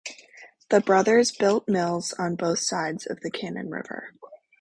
The brothers built mills on both sides of the Cannon River.